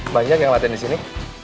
banyak yang latihan disini